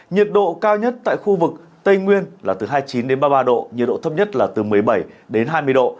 nhiệt độ cao nhất tại khu vực tây nguyên là từ hai mươi chín đến ba mươi ba độ nhiệt độ thấp nhất là từ một mươi bảy đến hai mươi độ